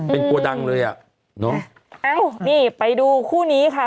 เป็นกลัวดังเลยอ่ะเนอะเอ้านี่ไปดูคู่นี้ค่ะ